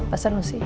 pasti akan berhasil